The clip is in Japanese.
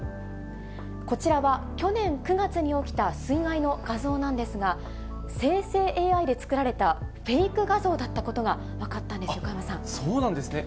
こちらは去年９月に起きた水害の画像なんですが、生成ＡＩで作られたフェイク画像だったことが分かったんです、そうなんですね。